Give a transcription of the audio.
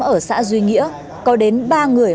ở xã duy nghĩa có đến ba người